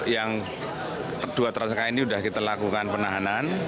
yang kedua tersangka ini sudah kita lakukan penahanan